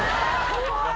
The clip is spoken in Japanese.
怖い。